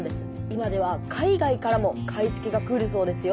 今では海外からも買い付けが来るそうですよ。